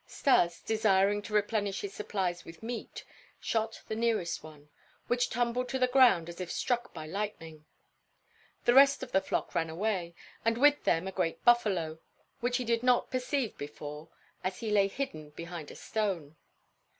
Stas, desiring to replenish his supplies with meat, shot at the nearest one, which tumbled on the ground as if struck by lightning. The rest of the flock ran away, and with them a great buffalo, which he did not perceive before, as he lay hidden behind a stone.